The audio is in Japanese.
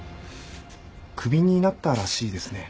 クビになったらしいですね。